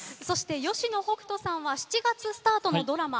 吉野北人さんは７月スタートのドラマ